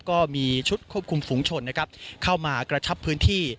ก็มีชุดควบคุมฝุงชนนะครับเข้ามากระชับพื้นที่